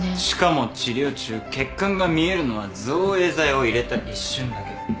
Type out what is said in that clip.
しかも治療中血管が見えるのは造影剤を入れた一瞬だけ。